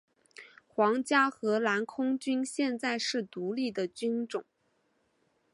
皇家荷兰空军现在是独立的军种。